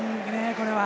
これは。